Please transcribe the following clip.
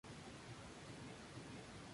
Cruz-Coke es católico.